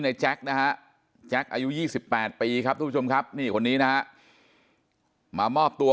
แจ็คนะฮะแจ็คอายุ๒๘ปีครับทุกผู้ชมครับนี่คนนี้นะฮะมามอบตัว